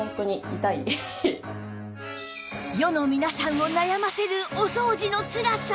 世の皆さんを悩ませるお掃除のつらさ